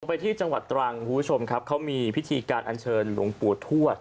ไปที่จังหวัดตรังคุณผู้ชมครับเขามีพิธีการอัญเชิญหลวงปู่ทวด